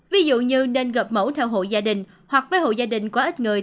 ví dụ như nên gợp mẫu theo hộ gia đình hoặc với hộ gia đình quá ít người